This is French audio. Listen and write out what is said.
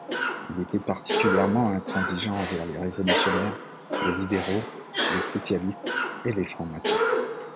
Il était particulièrement intransigeant envers les révolutionnaires, les libéraux, les socialistes et les francs-maçons.